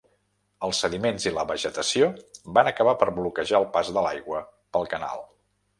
Els sediments i la vegetació van acabar per bloquejar el pas de l'aigua pel canal.